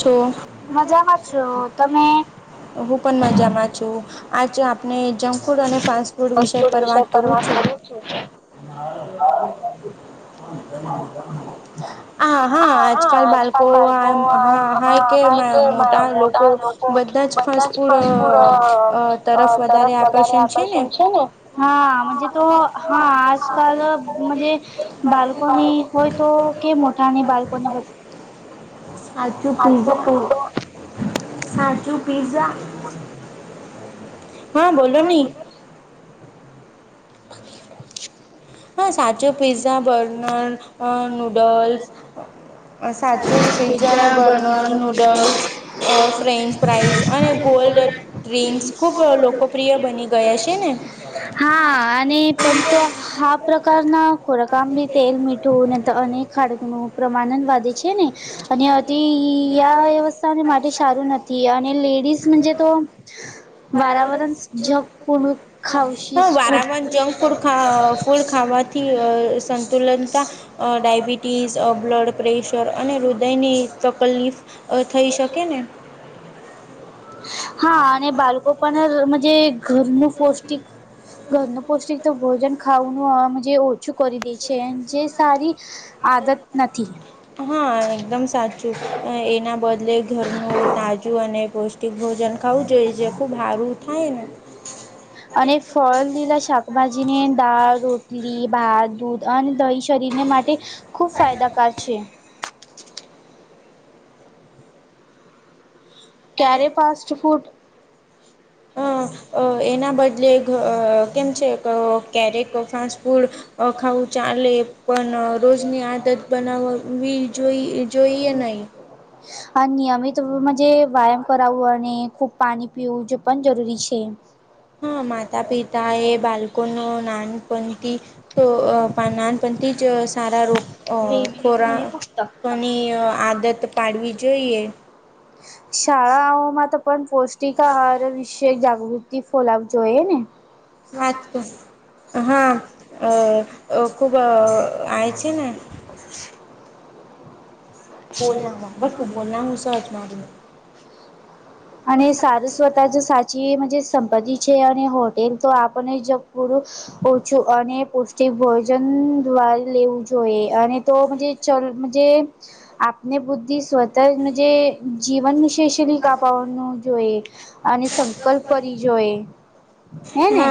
છો મજામાં છો તમે હું પણ મજામાં છું આજ આપને જંક ફૂડ અને ફાસ્ટ ફૂડ વિષય પર વાત કરું છું [inaudible] હા હા આજકાલ બાળકો આમ હા હા કે મોટા લોકો બધા જ ફાસ ફૂડ અ અ તરફ વધારે આકર્ષણ છે ને હા મુજે તો હા આજકાલ મુજે બાલ ની હોય તો કે મોઠાની બાળકોની વચ્ચે હાચુ કીધું ન સાચુ પિઝા હા બોલો ની પીઝા હ સાચો પિઝા બર્નર અ નૂડલ્સ સાચું જ સાચીસ pizza, pizza burner, burger noodles અ ફ્રેન્ચ ફ્રાઈઝ અને ગોલ્ડ ડ્રિન્ક્સ ખુબ લોકોપ્રિય બની ગયા છે, ને હા અને પણ તો હા પ્રકારના ખોરાક આંબી તેલ મીઠું અને તો અનેક ખાડકનું પ્રમાણન વધે છે, ને અને અતિ આ વ્યવસ્થાને માટે સારું નથી અને લેડીઝજ મંજે તો વારાવરણ જઝપણ ખાવશી હા ફુડ [inaudible] આવાથી અ સંતુલનતા અ ડાયબિટીસ અ બ્લડ પ્રેશર અને હૃદયની તકલની અ થઈ શકે ને હા અને બાળકો પણ મજે ઘરનું પૌષ્ટિક ઘરનુ પૌષ્ટિક તો ભોજન ખાવુંનું આવાનુ જે ઓછું કરી દે છે, જે સારી આદત નથી હા એકદમ સાચું એના બદલે ઘરનું તાજું અને પો ટીક ભોજન ખાવું જોઈએ જે ખૂબ હારું થાય ને અને ફલ, લીલા શાકભાજીને, દાળ, રોટલી, ભાત, દૂધ અને દહી શરીરને માટે ખૂબ ફાયદાકાર છે. ક્યારે ફાસ્ટ ફૂડ અ અ એના બદલે ધ કેમ છે, ક કેરેક ફાસ્ટ ફૂડ અ ખાવું ચાલે પણ રોજની આદત બનાવવી જોઈ જોઈએ નય [inaudible] વ્યાયામ કરાવવું અને ખુબ પાણી પીવું જે પણ જરૂરી છે. હા માતા પિતા એ બાળકો ન નાનપથી તો અ નાનપન થી જ સારા રો અ બે મિનિટ ખોરા ન ફક્ત કની આદત પાડવી જોઈએ હ શાળાઓમાં તો પણ પૌષ્ટિક આહાર વિશે જાગૃતિ ફોલાવ જોઈએ ને વાતો હા અ ખુબ અ આય છે, ને [inaudible] અને સારું સ્વત જ સાચી મજ સંપત્તિ છે, અને હોટેલ તો આપણને જ પુરુ ઓછું અને પૌષ્ટિક ભોજન દ્વારે લેવું જોઈએ અને તો મજે [unintelligible] આપને બુદ્ધિ સ્વત જે જીવન વિશેષ [unintelligible] [unintelligible] જોએ અને સંકલ્પ કરી જોએ હે ને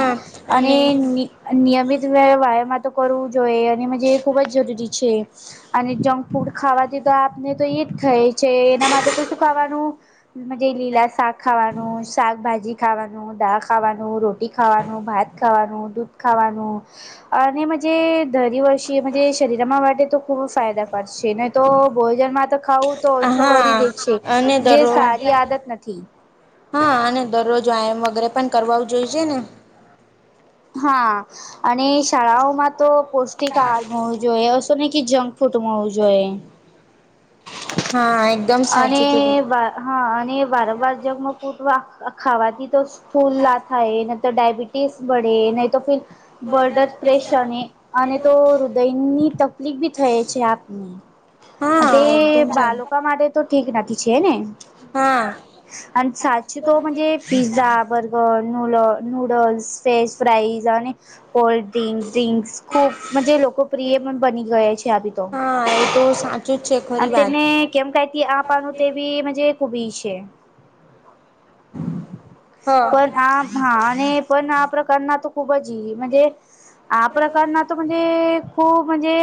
અને ની નિયમિત વ વાયામાં તો કરવું જોઈએ અને જે ખૂબ જ જરૂરી છે, અને જં ફૂડ ખાવાથી તો આપને તો એ જ ખાય છે, એના માટે તો શું ખાવાનું જે લીલા શાક ખાવાનું શાકભાજી ખાવાનું, દાળ ખાવાનું, રોટી ખાવાનું, ભાત ખાવાનું, દૂધ ખાવાનું અને મજે દરી વર્ષી મજે શરીરમાં માટે તો ખૂબ જ ફાયદાકાર છે નહી તો ભોજન માં તો ખાવું તો ઓછું કરી હા દે છે, અને જે દરરોજ સારી આદત નથી હા અને દરરોજ આયામ વગેરે પણ કરવાવ જોયે ને હા. અને શાળાઓમાં તો પૌષ્ટિક આહાર મળવું જોઈએ અશો નહી કે જંક ફૂડ મળવું જોઈએ હા. એકદમ અને સાચું કીધું બા હા અને વારંવાર જંમાં ફૂટ ખાવાથી તો ફૂલ્લા થાય એને તો ડાયબિટી [unintelligible] બડે નહી તો ફિર બડર પ્રેશ અને તો દૈનની તકલીફ બી થઈ છે આપને તે હા એકદમ સારું બાલોકા માટે તો ઠીક નથી છે ને હા અને સાછુ તો મનજે pizza burger [unintelligible] noodles french fries અને કોલ્ડ ડ્રિંક ડ્રિંક્ ખૂબ મનજે લોકોપ્રિય પણ બની ગયા છે આવી તો હા એ તો સાચું જ છે અને ખરી વાત [unintelligible] હ પણ આ હા અને પણ આ પ્રકારના તો ખુબ જ મનજે આ પ્રકારના તો મનજે ખૂબ મનજે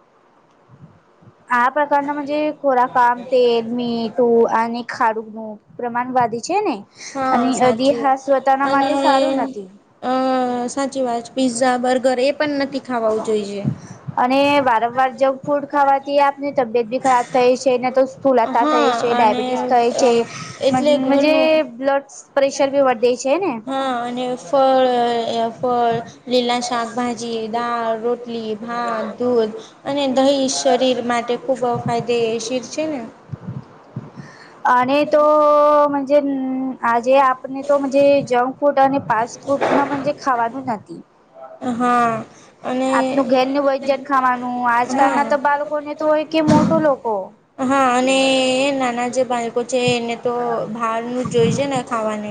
[inaudible] આ પ્રકારના મનજે ખોરાક આમ તેલ મીઠું અને ખાડું નું પ્રમાણ વધે છે ને હા અને અધ સાચું હાસ પોતાના અને માટે સારું નથી અ સાચી વાત પીઝા બર્ગર એ પણ નથી ખાવાવુ જોઈએ અને વારંવાર જંક ફૂડ ખાવાથી આપની તબિયત બી ખરાબ થઈ છે તો સ્થૂલાતા હા થાય છે અને ડાાયબિટીસ થાય છે એટલે મનજે ઘરનું બ્લડ પ્રેશર ભી વધે છે ને હા [unintelligible] લીલા શાકભાજી દાળ રોટલી ભાત દૂધ અને દહી શરીર માટે ખુબ ફાયદેશીર છે ને અને તો મનજે આજે આપને તો મનજે જંક ફૂટ અને પાસફૂડ પણ ખાવાનું નથી હા અને આપનું ઘરનું વ્યંજન ખાવાનું આજકાલ ના હા તો બાળકોને તો હોય કે મોટું લોકો હા અને નાના જે બાળકો છે એને તો બહાર નું જોઈ છે ને ખાવાને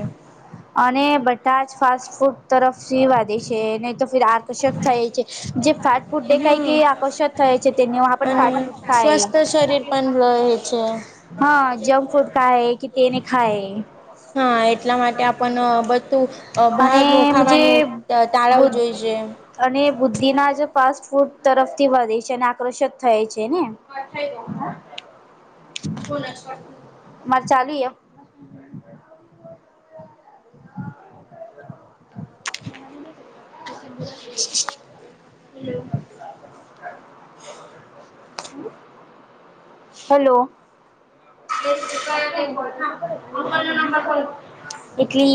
અને બટા જ ફાસ્ટ ફૂડ તરફ સી વાદી છે ને તો ફ આકર્ષક થાય છે જે ફાટ ફૂડ દેખાય હમ કે આકર્ષક થાય છે તેને ફાટ કા એ કરીયે છે હા જંક ફૂડ કાએ કે તેને ખાાયે હા એટલા માટે આપણ બધું અને બહારનું મનજે ખાવાનું બ ટાળવું જોઈએ અને બુદ્ધિ ના જ ફાસ્ટ ફૂડ તરફથી વધે છે અને આકર્ષિત થાય છે ને મારે ચાલુ એ [unintelligible] હેલો [unintelligible]